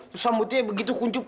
susah mutinya begitu kuncup